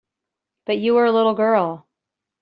But you were a little girl.